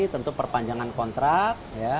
tentu perpanjangan kontrak